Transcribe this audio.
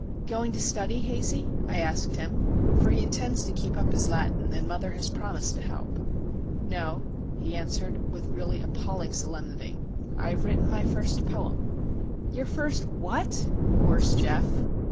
"Going to study, Hazey?" I asked him, for he intends to keep up his Latin, and mother has promised to help. "No," he answered, with really appalling solemnity. "I have written my first Poem." "Your first What?" roars Geof.